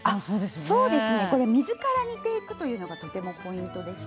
水から煮ていくということがポイントですね。